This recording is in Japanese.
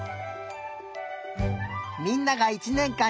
みんなが１ねん